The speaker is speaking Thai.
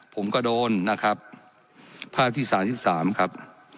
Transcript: ผมก็โดนนะครับภาคที่๓๓ครับ